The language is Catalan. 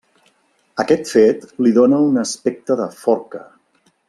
Aquest fet li dóna un aspecte de forca.